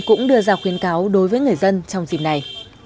cũng đưa ra khuyến cáo đối với người dân trong dịp này